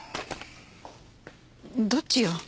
どっちよ。